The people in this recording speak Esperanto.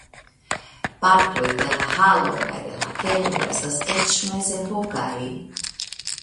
Partoj de la halo kaj de la kelo estas eĉ mezepokaj.